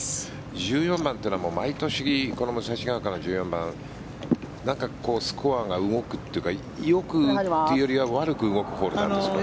１４番というのは毎年、武蔵丘の１４番はなんか、スコアが動くっていうかよくっていうよりは悪く動くホールなんですよね。